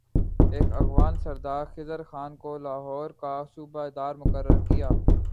ایک افغان سردار خضر خان کو لاہور کا صوبہ دار مقرر کیا